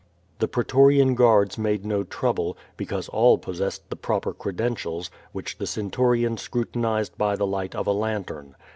The pretorian guards made no trouble, because all pos sessed the proper credentials, which the centurion scrutinized by the light of a lantern.